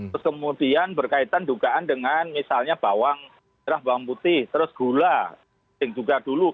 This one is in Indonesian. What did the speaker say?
terus kemudian berkaitan dugaan dengan misalnya bawang merah bawang putih terus gula yang juga dulu